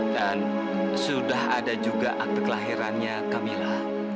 dan sudah ada juga akte kelahirannya camilla